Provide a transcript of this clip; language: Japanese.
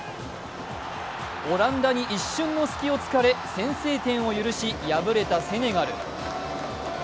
オランダに一瞬の隙を突かれ先制点を奪われ敗れたセネガル。